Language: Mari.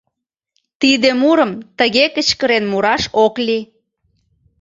Тиде мурым тыге кычкырен мураш ок лий.